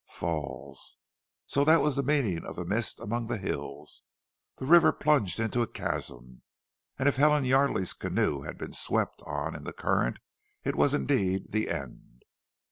Falls! So that was the meaning of that mist among the hills. There the river plunged into a chasm, and if Helen Yardely's canoe had been swept on in the current it was indeed the end.